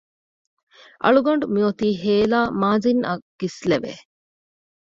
އަޅުގަނޑު މިއޮތީ ހޭލާ މާޒިން އަށް ގިސްލެވެ